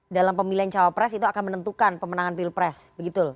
dalam pemilihan cawapres itu akan menentukan pemenangan pilpres begitu